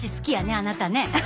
あなたね。